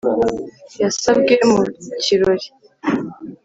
Yasabwe mu kirori